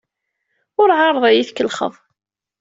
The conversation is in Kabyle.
Ur ɛerreḍ ad iyi-tkellxeḍ.